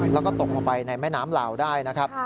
แล้วก็ตกลงไปในแม่น้ำลาวได้นะครับ